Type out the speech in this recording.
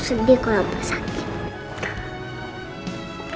aku sendiri kalo opa sakit